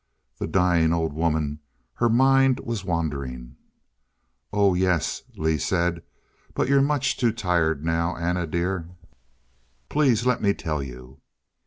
This dying old woman; her mind was wandering?... "Oh yes," Lee said. "But you're much too tired now, Anna dear " "Please let me tell you.